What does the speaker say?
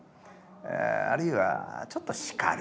あるいはちょっと叱る。